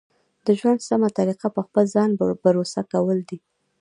د ژوند سمه طریقه په خپل ځان بروسه کول دي.